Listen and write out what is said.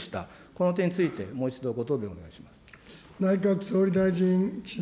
この点についてもう一度、ご答弁をお願いします。